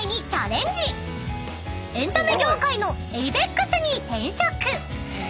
［エンタメ業界のエイベックスに転職］